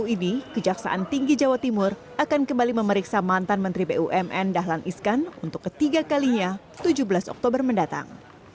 hari ini kejaksaan tinggi jawa timur akan kembali memeriksa mantan menteri bumn dahlan iskan untuk ketiga kalinya tujuh belas oktober mendatang